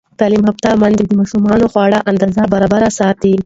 تعلیم یافته میندې د ماشومانو د خوړو اندازه برابره ساتي.